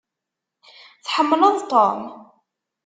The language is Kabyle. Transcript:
Tḥemmleḍ Tom?